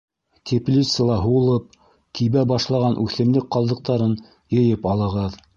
Теплицала һулып, кибә башлаған үҫемлек ҡалдыҡтарын йыйып алығыҙ.